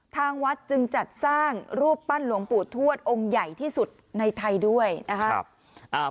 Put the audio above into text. ทางวัดจึงจัดสร้างรูปปั้นหลวงปู่ทวดองค์ใหญ่ที่สุดในไทยด้วยนะครับ